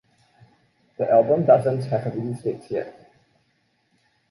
The album doesn’t have a release date yet.